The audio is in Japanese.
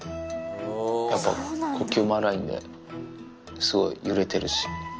やっぱ、呼吸も荒いんで、すごい揺れてるし。